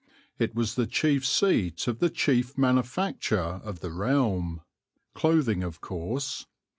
It was the chief seat of the chief manufacture of the realm" (clothing, of course).